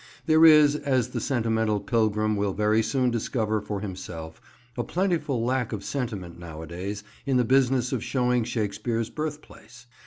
There is, as the sentimental pilgrim will very soon discover for himself, a plentiful lack of sentiment nowadays in the business of showing Shakespeare's Birthplace.